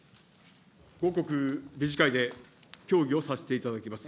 後刻理事会で協議をさせていただきます。